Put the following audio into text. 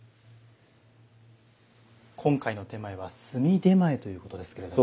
今回の点前は炭手前ということですけれども。